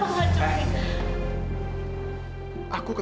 kenapa iki tempat lukis ya